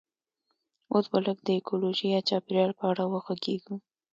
اوس به لږ د ایکولوژي یا چاپیریال په اړه وغږیږو